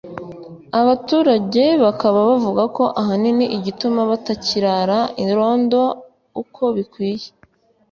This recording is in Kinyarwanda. Abaturage bakaba bavuga ko ahanini igituma batakirara irondo uko bikwiye